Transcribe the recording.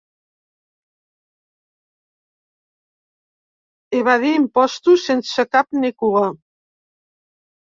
Evadí impostos sense cap ni cua.